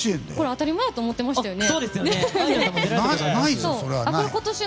当たり前やと思っていましたね。